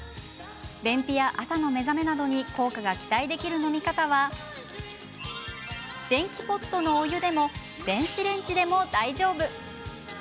便秘や朝の目覚めなどに効果が期待できる飲み方は電気ポットのお湯でも電子レンジでも大丈夫。